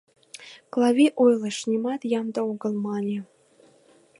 Клави ойлыш, нимат ямде огыл, мане.